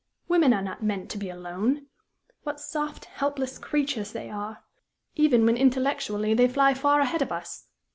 Women are not meant to be alone. What soft, helpless creatures they are! even when intellectually they fly far ahead of us.